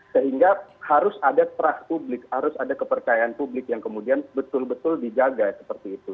sehingga harus ada terah publik harus ada kepercayaan publik yang kemudian betul betul dijaga seperti itu